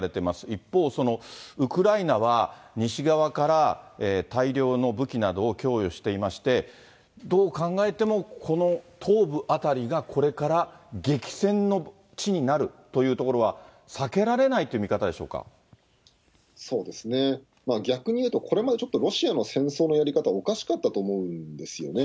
一方、ウクライナは西側から大量の武器などを供与していまして、どう考えても、この東部辺りがこれから激戦の地になるというところは、避けられそうですね、逆に言うとこれまでちょっとロシアの戦争のやり方、おかしかったと思うんですよね。